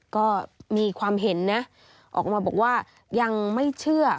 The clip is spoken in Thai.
ก็มีความเห็นนะออกมาบอกว่ายังไม่เชื่อ